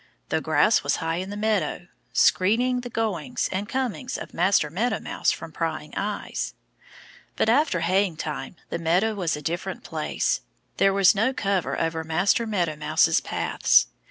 The grass was high in the meadow, screening the goings and comings of Master Meadow Mouse from prying eyes. But after haying time the meadow was a different place. There was no cover over Master Meadow Mouse's paths.